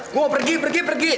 gue pergi pergi pergi pergi